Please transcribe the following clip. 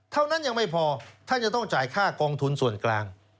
เท่านั้นยังไม่พอท่านจะต้องจ่ายค่ากองทุนส่วนกลาง